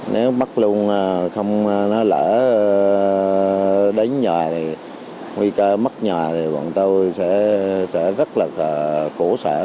nếu bắt luôn không nó lỡ đến nhà thì nguy cơ mất nhà thì bọn tôi sẽ rất là cổ sản